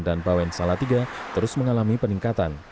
dan bawen salatiga terus mengalami peningkatan